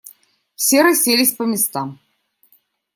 Все расселись по местам.